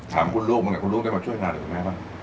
ถามคุณลูกต้องหาพวกมันช่วยงานได้ป่ะ